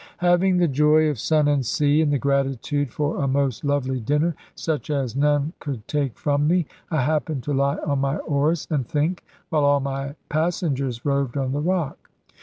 Having the joy of sun and sea, and the gratitude for a most lovely dinner, such as none could take from me, I happened to lie on my oars and think, while all my passengers roved on the rock.